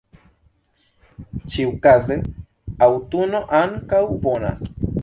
Ĉiukaze, aŭtuno ankaŭ bonas.